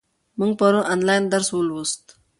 موږ پرون آنلاین درس ولوست.